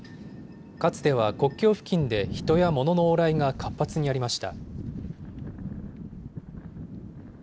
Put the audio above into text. かつては国境付近で人やものの往来が活発にありました。